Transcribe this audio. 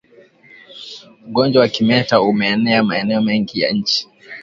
Ugonjwa wa kimeta umeenea maeneo mengi ya nchi